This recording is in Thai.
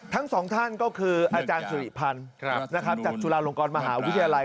ทั้งสองท่านก็คืออาจารย์สุริพันธ์จากจุฬาลงกรมหาวิทยาลัย